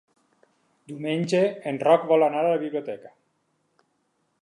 Diumenge en Roc vol anar a la biblioteca.